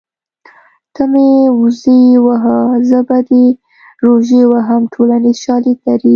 ته مې وزې وهه زه به دې روژې وهم ټولنیز شالید لري